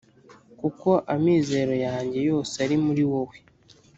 kuko amizero yanjye yose ari muri wowe